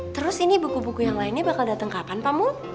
terus ini buku buku yang lainnya bakal datang kapan pak mul